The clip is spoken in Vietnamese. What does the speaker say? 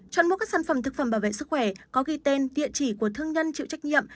chọn mua các sản phẩm thực phẩm bảo vệ sức khỏe có ghi tên địa chỉ của thương nhân chịu trách nhiệm